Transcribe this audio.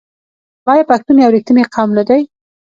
آیا پښتون یو رښتینی قوم نه دی؟